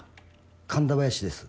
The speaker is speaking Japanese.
神田林です。